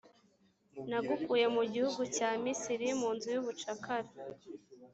nagukuye mu gihugu cya misiri, mu nzu y’ubucakara.